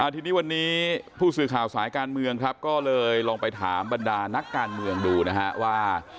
ทีนี้วันนี้ผู้สื่อข่าวสายการเมืองครับก็เลยลองไปถามบรรดานักการเมืองดูนะฮะว่า